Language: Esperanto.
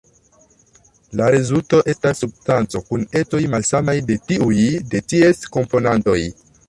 La rezulto estas substanco kun ecoj malsamaj de tiuj de ties komponantoj.